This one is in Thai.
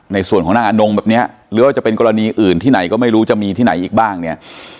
ในส่วนของนางอนงแบบเนี้ยหรือว่าจะเป็นกรณีอื่นที่ไหนก็ไม่รู้จะมีที่ไหนอีกบ้างเนี่ย